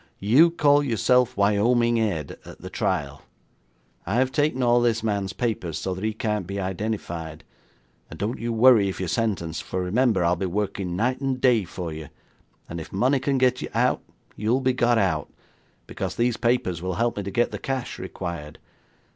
You call yourself Wyoming Ed at the trial. I've taken all this man's papers so that he can't be identified. And don't you worry if you're sentenced, for remember I'll be working night and day for you, and if money can get you out, you'll be got out, because these papers will help me to get the cash required.